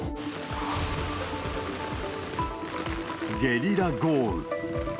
ゲリラ豪雨。